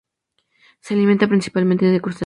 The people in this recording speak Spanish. Se alimenta principalmente de crustáceos.